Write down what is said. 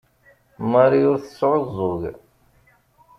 Marie ur tesɛuẓẓug.